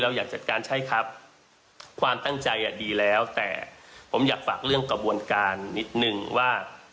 อยากจัดการใช่ครับความตั้งใจดีแล้วแต่ผมอยากฝากเรื่องกระบวนการนิดนึงว่า